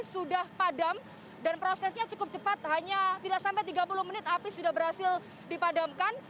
sudah padam dan prosesnya cukup cepat hanya tidak sampai tiga puluh menit api sudah berhasil dipadamkan